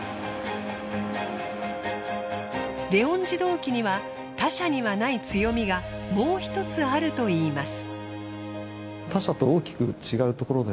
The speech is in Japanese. レオン自動機には他社にはない強みがもうひとつあるといいます。